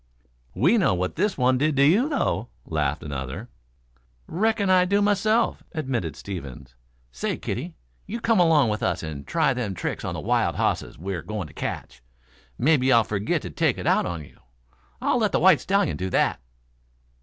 "We know what this one did do to you, though," laughed another. "Reckon I do myself," admitted Stevens. "Say, kiddie, you come along with us and try them tricks on the wild hosses we're going to catch. Mebby I'll forgit to take it out of you. I'll let the white stallion do that."